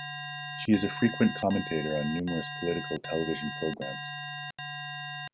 She is a frequent commentator on numerous political television programs.